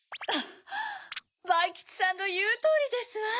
バイきちさんのいうとおりですわ。